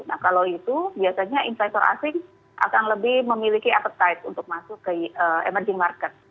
nah kalau itu biasanya investor asing akan lebih memiliki appetite untuk masuk ke emerging market